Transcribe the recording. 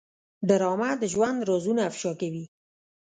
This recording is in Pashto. ډرامه د ژوند رازونه افشا کوي